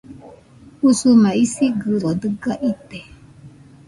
Usuma isigɨro dɨga ite